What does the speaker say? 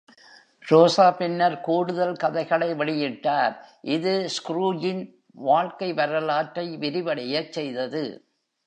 ரோசா பின்னர் கூடுதல் கதைகளை வெளியிட்டார், இது ஸ்க்ரூஜின் வாழ்க்கை வரலாற்றை விரிவடையச் செய்தது.